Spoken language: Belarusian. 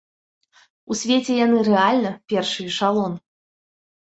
У свеце яны рэальна першы эшалон!